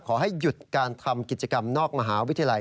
ขอให้หยุดการทำกิจกรรมนอกมหาวิทยาลัย